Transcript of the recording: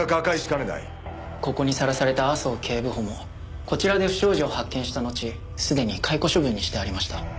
ここにさらされた麻生警部補もこちらで不祥事を発見したのちすでに解雇処分にしてありました。